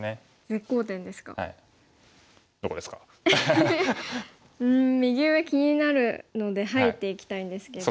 うん右上気になるので入っていきたいんですけど。